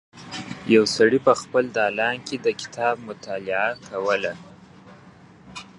یو سړی په خپل دالان کې کتاب مطالعه کوله.